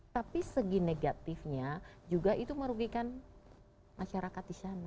tapi segi negatifnya juga itu merugikan masyarakat disana